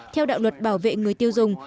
theo đạo luật bảo vệ người tiêu dùng